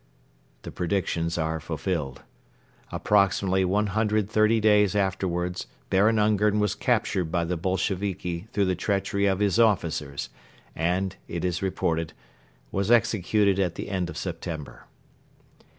The predictions are fulfilled. Approximately one hundred thirty days afterwards Baron Ungern was captured by the Bolsheviki through the treachery of his officers and, it is reported, was executed at the end of September.